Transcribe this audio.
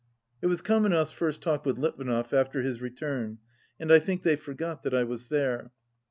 It was Kamenev's first talk with Litvinov after his return, and I think they forgot that I was there.